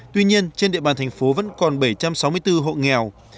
tuy nhiên trên địa bàn thành phố vẫn còn bảy trăm sáu mươi bốn hộ nghèo